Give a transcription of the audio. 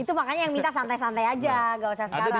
tapi yang minta santai santai aja gak usah sekarang mungkin